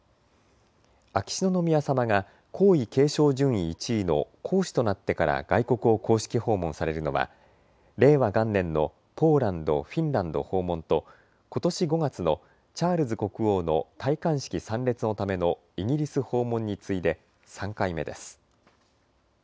秋篠宮さまが皇位継承順位１位の皇嗣となってから外国を公式訪問されるのは令和元年のポーランド・フィンランド訪問とことし５月のチャールズ国王の戴冠式参列のためのイギリス訪問に次いで３回目です。